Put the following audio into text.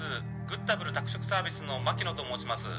☎グッタブル宅食サービスの牧野と申します